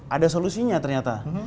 ada solusinya ternyata